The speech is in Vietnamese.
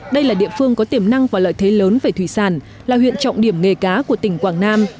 đây là địa phương có tiềm năng và lợi thế lớn về thủy sản là huyện trọng điểm nghề cá của tỉnh quảng nam